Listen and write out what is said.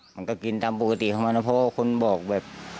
มันก็กินตามปกติของมันนะเพราะว่าคนบอกแบบ